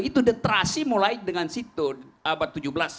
itu deterasi mulai dengan situ abad tujuh belas